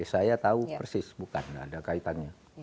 saya tahu persis bukan tidak ada kaitannya